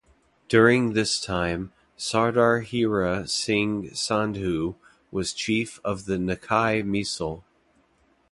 During this time Sardar Heera Singh Sandhu was chief of the Nakai Misl.